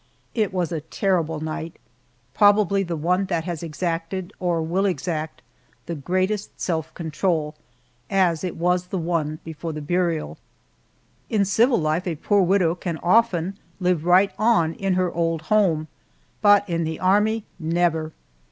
It was a terrible night, probably the one that has exacted, or will exact, the greatest self control, as it was the one before the burial. In civil life a poor widow can often live right on in her old home, but in the Army, never!